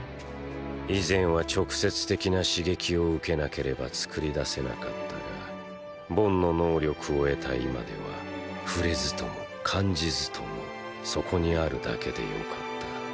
以前は直接的な刺激を受けなければ創り出せなかったがボンの能力を得た今では触れずとも感じずともそこに“ある”だけでよかった。